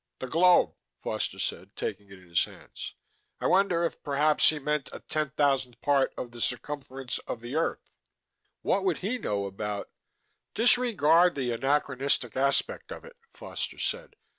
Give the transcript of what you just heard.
"The globe," Foster said, taking it in his hands. "I wonder if perhaps he meant a ten thousandth part of the circumference of the earth?" "What would he know about " "Disregard the anachronistic aspect of it," Foster said.